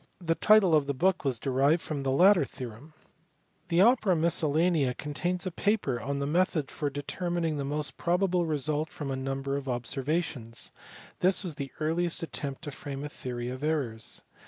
The title of the book was derived from the latter theorem. The Opera MisCGllcMMd contains a paper on the method for determining the most probable result from a number of observations : this was the earliest attempt to frame a theory of errors.